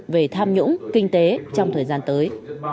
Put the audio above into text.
về tham nhũng kinh tế trong thời gian tới